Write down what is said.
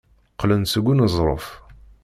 Qqlen-d seg uneẓruf.